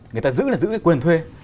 người ta giữ là giữ cái quyền thuê